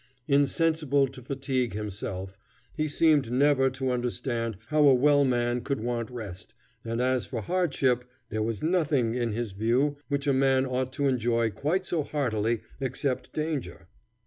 Insensible to fatigue himself, he seemed never to understand how a well man could want rest; and as for hardship, there was nothing, in his view, which a man ought to enjoy quite so heartily, except danger.